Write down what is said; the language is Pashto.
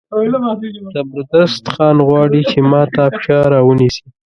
زبردست خان غواړي چې ما ته پښه را ونیسي.